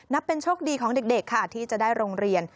นับเป็นโชคดีของเด็กค่ะที่จะได้โรงเรียน